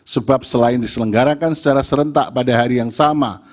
sebab selain diselenggarakan secara serentak pada hari yang sama